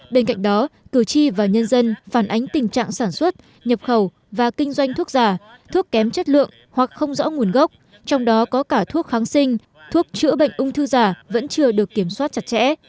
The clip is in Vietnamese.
bên cạnh đó cử tri và nhân dân phản ánh tình trạng sản xuất nhập khẩu và kinh doanh thuốc giả thuốc kém chất lượng hoặc không rõ nguồn gốc trong đó có cả thuốc kháng sinh thuốc chữa bệnh ung thư giả vẫn chưa được kiểm soát chặt chẽ